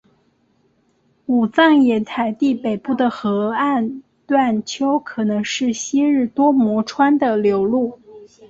武藏野台地北部的河岸段丘可能是昔日多摩川的流路。